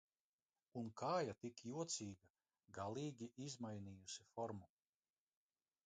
Un kāja tik jocīga, galīgi izmainījusi formu.